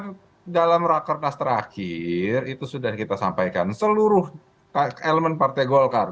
nah dalam rakernas terakhir itu sudah kita sampaikan seluruh elemen partai golkar